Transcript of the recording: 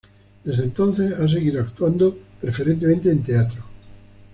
Desde entonces ha seguido actuando preferentemente en teatro.